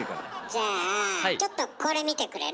じゃあちょっとこれ見てくれる？